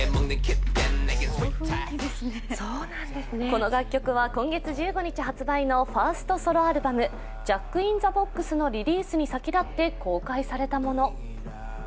この楽曲は今月１５日発売のファーストソロアルバム「ＪａｃｋＩｎＴｈｅＢｏｘ」のリリースに先立って公開されたもの。